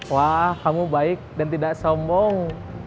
wah kamu baik dan tidak sombong